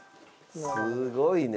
すごいね。